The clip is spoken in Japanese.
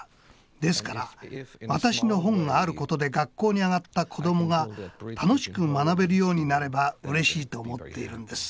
ですから私の本があることで学校に上がった子どもが楽しく学べるようになればうれしいと思っているんです。